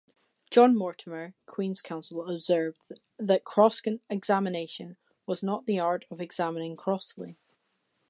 John Mortimer, Queen's Counsel, observed that "cross-examination" was not the art of examining crossly.